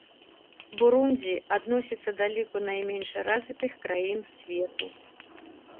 Бурундзі адносіцца да ліку найменш развітых краін свету.